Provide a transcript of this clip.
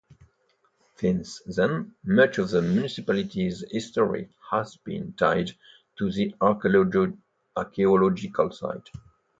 Since then, much of the municipality's history has been tied to the archaeological site.